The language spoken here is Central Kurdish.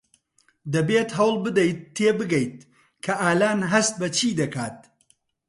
دەبێت هەوڵ بدەیت تێبگەیت کە ئالان هەست بە چی دەکات.